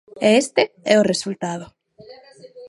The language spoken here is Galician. E este é o resultado.